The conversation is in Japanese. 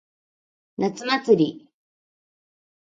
夏祭り。